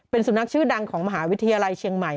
เป็นสุนัขชื่อดังของมหาวิทยาลัยเชียงใหม่